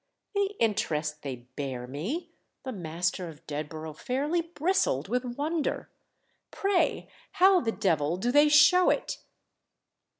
"The interest they bear me?"—the master of Dedborough fairly bristled with wonder. "Pray how the devil do they show it?"